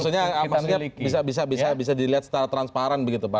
maksudnya bisa dilihat secara transparan begitu pak